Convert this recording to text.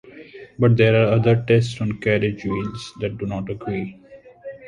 But there are other tests on carriage wheels that do not agree.